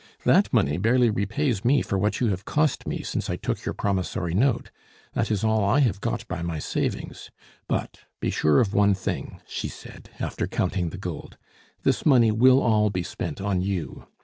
That money barely repays me for what you have cost me since I took your promissory note; that is all I have got by my savings. But be sure of one thing," she said, after counting the gold, "this money will all be spent on you.